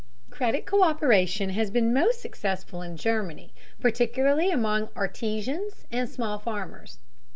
Credit co÷peration has been most successful in Germany, particularly among artisans and small farmers.